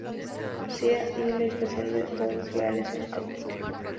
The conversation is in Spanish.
Sea "I" la unión de todos los ideales en "T".